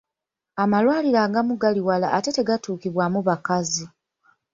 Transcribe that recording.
Amalwaliro agamu gali wala ate tegatuukibwamu bakazi.